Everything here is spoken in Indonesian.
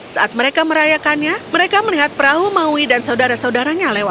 saat mereka merayakannya mereka melihat perahu maui dan saudara saudaranya lewat